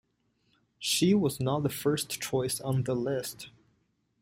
She was not the first choice on the list.